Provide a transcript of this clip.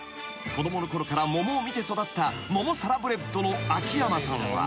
［子供のころから桃を見て育った桃サラブレッドの秋山さんは］